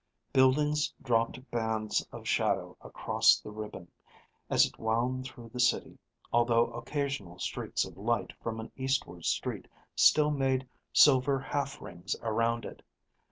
Buildings dropped bands of shadow across the ribbon, as it wound through the city, although occasional streaks of light from an eastward street still made silver half rings around it.